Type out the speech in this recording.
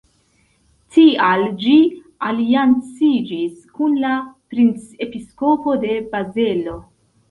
Tial ĝi alianciĝis kun la princepiskopo de Bazelo.